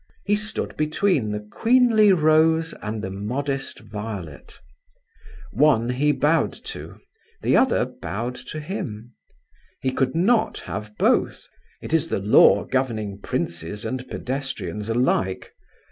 He stood between the queenly rose and the modest violet. One he bowed to; the other bowed to him. He could not have both; it is the law governing princes and pedestrians alike.